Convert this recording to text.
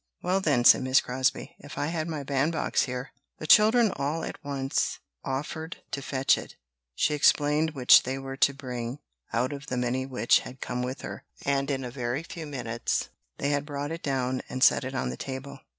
"Well, then," said Miss Crosbie, "if I had my bandbox here " The children all at once offered to fetch it she explained which they were to bring out of the many which had come with her, and in a very few minutes they had brought it down and set it on the table.